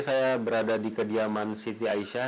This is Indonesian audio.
saya berada di kediaman siti aisyah